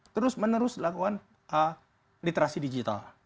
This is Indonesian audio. terus menerus lakukan literasi digital